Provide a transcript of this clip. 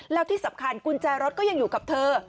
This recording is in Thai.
แล้วที่สำคัญกุญแจรถก็ยังอยู่กับเธอ